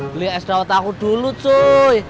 beli es daun taku dulu cuy